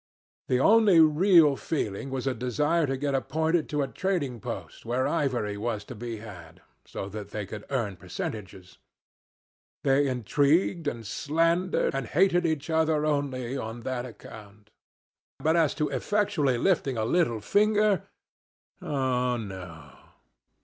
The only real feeling was a desire to get appointed to a trading post where ivory was to be had, so that they could earn percentages. They intrigued and slandered and hated each other only on that account, but as to effectually lifting a little finger oh, no.